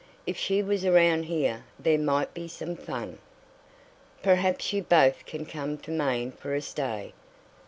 "If she was around here there might be some fun." "Perhaps you both can come to Maine for a stay.